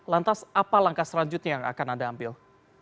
lantas apa langkah selanjutnya yang akan anda ambil